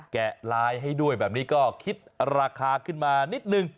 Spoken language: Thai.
แกะลายให้ด้วยแบบนี้ก็คิดราคาขึ้นมานิดนึง